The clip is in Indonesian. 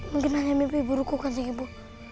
mungkin hanya mimpi buruk kan cik ibu